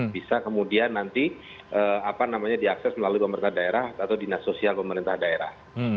bisa kemudian nanti diakses melalui pemerintah daerah atau dinas sosial pemerintah daerah